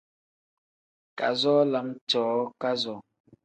Kazoo lam cooo kazoo.